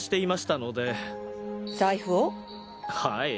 はい。